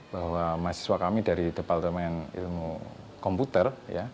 bahwa mahasiswa kami dari departemen ilmu komputer